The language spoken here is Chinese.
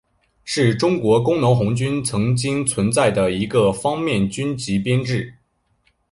是中国工农红军曾经存在的一个方面军级编制。